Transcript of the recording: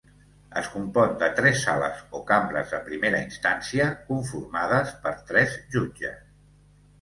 Es compon de tres sales o cambres de primera instància, conformades per tres jutges.